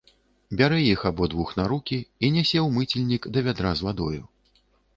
Бярэ іх абодвух на рукі і нясе ў мыцельнік да вядра з вадою.